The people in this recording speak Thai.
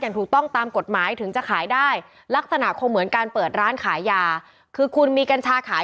อย่างถูกต้องตามกฎหมายถึงจะขายได้ลักษณะคงเหมือนการเปิดร้านขายยาคือคุณมีกัญชาขาย